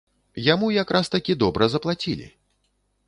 Яму якраз-такі добра заплацілі.